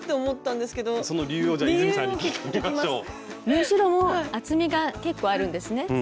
縫い代も厚みが結構あるんですね。